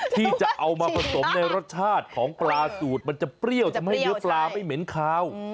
ที่จะเอามาผสมในรสชาติของปลาสูตรมันจะเปรี้ยวทำให้เนื้อปลาไม่เหม็นคาว